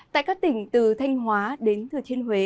tại các tỉnh từ thanh hóa đến thừa thiên huế